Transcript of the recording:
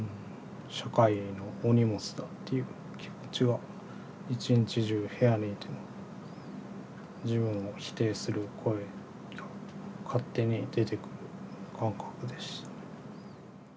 社会へのお荷物だっていう気持ちは一日中部屋にいても自分を否定する声が勝手に出てくる感覚でしたね。